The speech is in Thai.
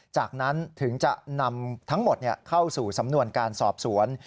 จากนั้นถึงจะนำทั้งหมดเข้าสู่สำนวนการสอบสวน